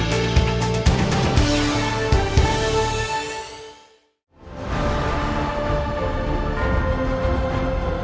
hẹn gặp lại